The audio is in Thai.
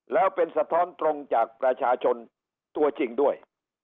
แล้วเป็นสะท้อนตรงจากประชาชนตัวจริงด้วย